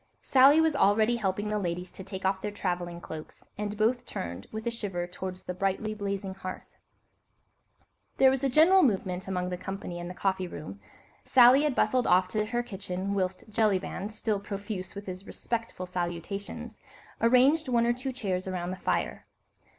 Sally was already helping the ladies to take off their travelling cloaks, and both turned, with a shiver, towards the brightly blazing hearth. There was a general movement among the company in the coffee room. Sally had bustled off to her kitchen, whilst Jellyband, still profuse with his respectful salutations, arranged one or two chairs around the fire.